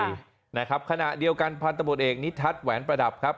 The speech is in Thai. คราวนี้ขณะเดียวกันพันธุ์ตำเนตอสแหวนประดับ